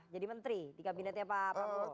jadi menteri di kabinetnya pak prabowo